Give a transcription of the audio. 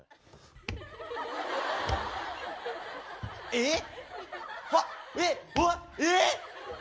えっ？